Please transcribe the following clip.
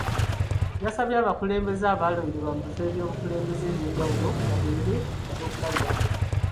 Yasabye abakulembeze abalondeddwa mu bifo eby’obukulembeze ebyenjawulo baabeere ekyokulabirako.